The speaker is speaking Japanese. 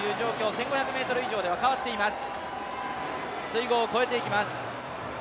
１５００ｍ以上では変わっています。